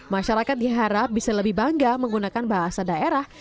masyarakat diharap bisa lebih bangga menggunakan bahasa daerah